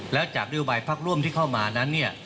แล้วจากนโยบายพักร่วมที่เข้ามานั้นเนี่ย